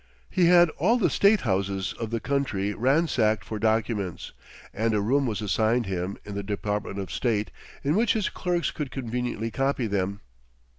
He had all the state houses of the country ransacked for documents, and a room was assigned him in the Department of State in which his clerks could conveniently copy them.